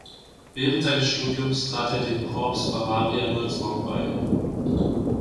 Während seines Studiums trat er dem Corps Bavaria Würzburg bei.